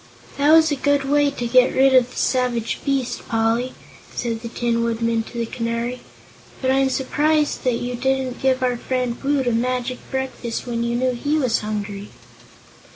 "That was a good way to get rid of the savage beast, Poly," said the Tin Woodman to the Canary; "but I'm surprised that you didn't give our friend Woot a magic breakfast, when you knew he was hungry."